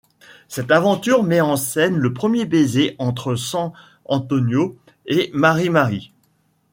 Cette aventure met en scène le premier baiser entre San-Antonio et Marie-Marie.